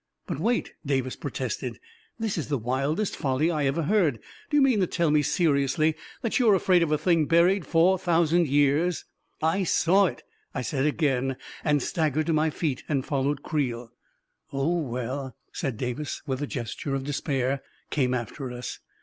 "But wait!" Davis protested. "This is the wildest folly I ever heard ! Do you mean to tell me seriously that you're afraid of a thing buried four thousand years ..."" I saw it !" I said again, and staggered to my feet and followed Creel 368 A KING IN BABYLON " Oh, well !" said Davis, and with a gesture of despair, came after us.